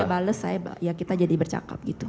mungkin waktu dia bales ya kita jadi bercakap gitu